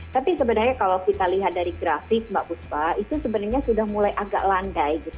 tapi sebenarnya kalau kita lihat dari grafik mbak buspa itu sebenarnya sudah mulai agak landai gitu